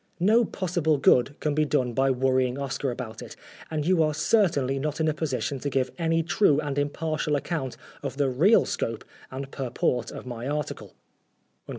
No possible good can be done by worrying Oscar about it, and you are certainly not in a position to give any true and impartial account of the real scope and purport of my article."